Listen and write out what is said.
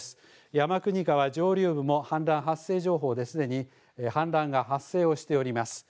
山国川上流部も氾濫発生情報ですでに氾濫が発生をしております。